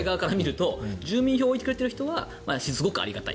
住民票を置いてくれている人はすごくありがたい。